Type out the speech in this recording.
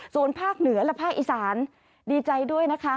ส่วนภาคเหนือและภาคอีสานดีใจด้วยนะคะ